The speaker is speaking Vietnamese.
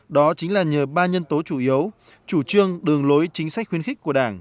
đó chính là nhờ ba nhân tố chủ yếu chủ trương đường lối chính sách khuyến khích của đảng